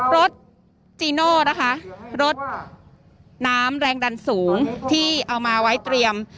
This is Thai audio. รถจีโน่นะคะรถน้ำแรงดันสูงที่เอามาไว้เตรียม